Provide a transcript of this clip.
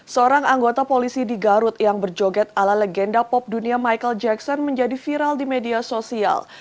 seorang anggota polisi di garut yang berjoget ala legenda pop dunia michael jackson menjadi viral di media sosial